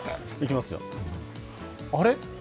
あれ？